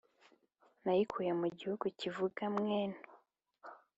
Nayikuye mu gihugu kivuga "mwenu" !